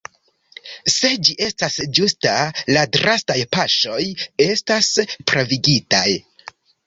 Se ĝi estas ĝusta la drastaj paŝoj estas pravigitaj.